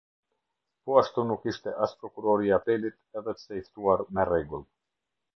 Po ashtu nuk ishte as Prokurori i Apelit edhe pse i ftuar me rregull.